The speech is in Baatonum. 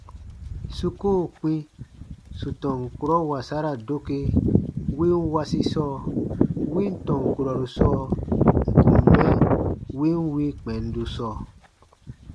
Su koo kpĩ sù tɔn kurɔ wasara doke win wasi sɔɔ, win tɔn kurɔru sɔɔ ǹ kun mɛ win wii kpɛndu sɔɔ.